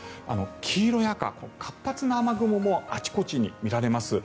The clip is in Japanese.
黄色や赤、活発な雨雲もあちこちに見られます。